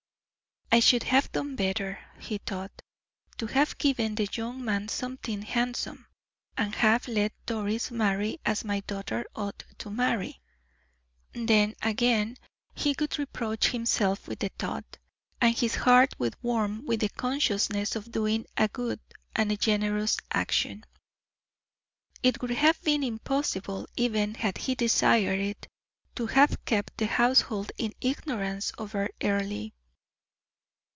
"I should have done better," he thought, "to have given the young man something handsome, and have let Doris marry as my daughter ought to marry." Then, again, he would reproach himself with the thought, and his heart would warm with the consciousness of doing a good and generous action. It would have been impossible, even had he desired it, to have kept the household in ignorance over Earle.